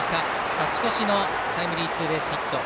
勝ち越しのタイムリーツーベースヒット。